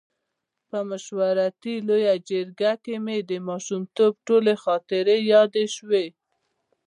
په مشورتي لویه جرګه کې مې د ماشومتوب ټولې خاطرې یادې شوې.